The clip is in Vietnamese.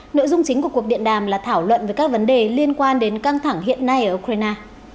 nội dung chính của cuộc điện đàm là thảo luận về các vấn đề liên quan đến căng thẳng hiện nay ở ukraine